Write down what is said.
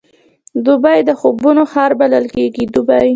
دوبی د خوبونو ښار بلل کېږي.